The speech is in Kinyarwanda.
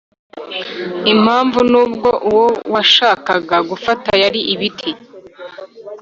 'impamvu nubwo uwo washakaga gufata yari ibiti